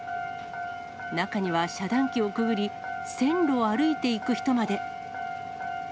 中には、遮断機をくぐり、線路を歩いていく人まで。